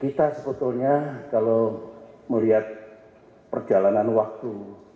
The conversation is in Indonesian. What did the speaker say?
kita sebetulnya kalau melihat perjalanan waktu